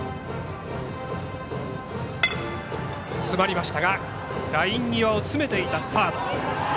詰まりましたがライン際を詰めていたサード。